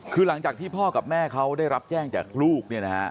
คือหลังจากที่พ่อกับแม่เขาได้รับแจ้งจากลูก